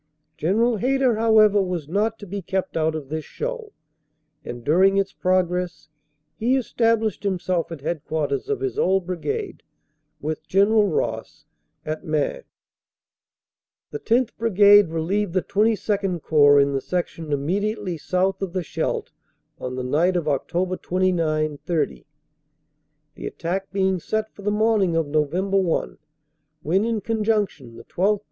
General Hayter, however, was not to be kept out of this show, and during its progress he established himself at headquarters of his old Brigade, with General Ross, at Maing. The 10th. Brigade relieved the XXII Corps in the section immediately south of the Scheldt on the night of Oct. 29 30, the attack being set for the morning of Nov. 1, when, in con junction, the 12th.